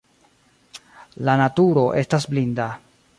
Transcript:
La naturo estas blinda.